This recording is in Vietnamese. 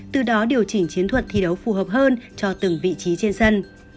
từ đó điều chỉnh chiến thuật thi đấu phù hợp hơn cho từng vị trí trên sân